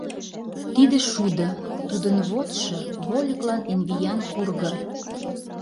Тиде шудо, тудын водшо вольыклан эн виян курго.